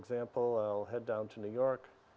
saya akan kembali ke new york